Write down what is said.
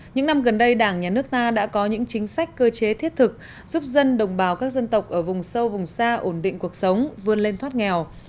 những năm gần đây đảng nhà nước ta đã có những chính sách cơ chế thiết thực giúp dân đồng bào các dân tộc ở vùng sâu vùng xa ổn định cuộc sống vươn lên thoát nghèo